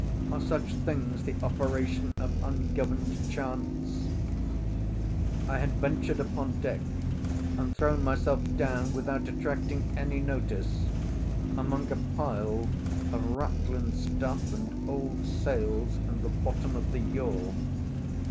Are such things the operation of ungoverned chance? I had ventured upon deck and thrown myself down, without attracting any notice, among a pile of ratlin stuff and old sails in the bottom of the yawl.